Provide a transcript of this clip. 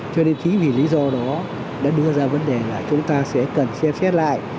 cho nên chính vì lý do đó đã đưa ra vấn đề là chúng ta sẽ cần xem xét lại